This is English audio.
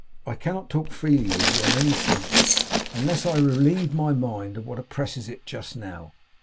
I cannot talk freely with you on any subject unless I relieve my mind of what oppresses it just now.